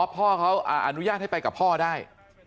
พ่อเขาอนุญาตให้ไปกับพ่อได้